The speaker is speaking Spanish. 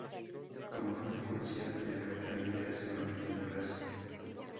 Como consecuencia de la caída se rompió un brazo.